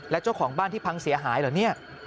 และเจ้าของบ้านที่พังเสียหายเหรอเนี่ย